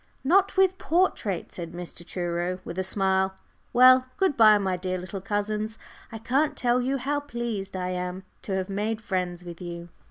"Not with portraits," said Mr. Truro, with a smile. "Well, good bye, my dear little cousins. I can't tell you how pleased I am to have made friends with you."